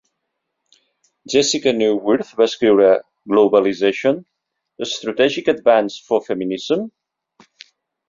Jessica Neuwirth va escriure "Globalization: A Strategic Advance for Feminism?".